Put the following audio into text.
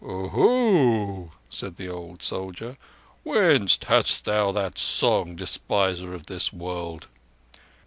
"Oho!" said the old soldier. "Whence hadst thou that song, despiser of this world?"